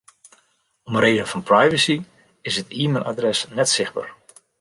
Om reden fan privacy is it e-mailadres net sichtber.